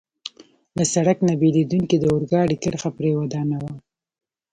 له سړک نه بېلېدونکې د اورګاډي کرښه پرې ودانوه.